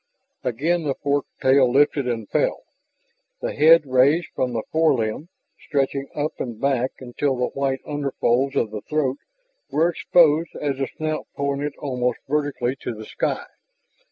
Again the forked tail lifted and fell, the head, raised from the forelimb, stretching up and back until the white underfolds of the throat were exposed as the snout pointed almost vertically to the sky.